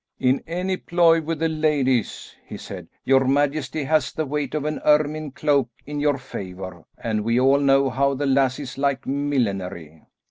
"In any ploy with the ladies," he said, "your majesty has the weight of an ermine cloak in your favour, and we all know how the lassies like millinery."